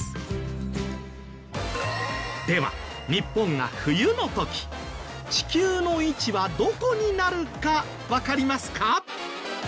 では日本が冬の時地球の位置はどこになるかわかりますか？